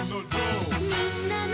「みんなの」